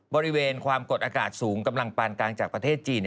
บริเวณความกดอากาศสูงกำลังปานกลางจากประเทศจีน